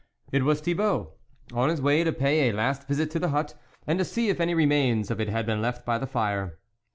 It was Thibault, on his way to pay a last visit to the hut, and to see if any remains of it had been left by the fire.